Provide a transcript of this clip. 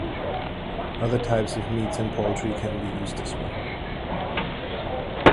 Other types of meats and poultry can be used as well.